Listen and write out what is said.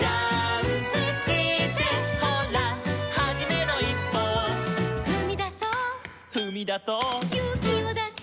「ほらはじめのいっぽを」「ふみだそう」「ふみだそう」「ゆうきをだして」